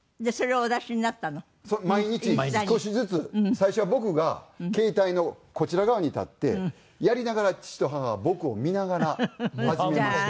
最初は僕が携帯のこちら側に立ってやりながら父と母は僕を見ながら始めました。